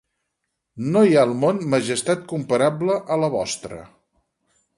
No hi ha al món majestat comparable a la vostra.